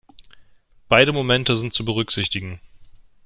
Beide Momente sind zu berücksichtigen.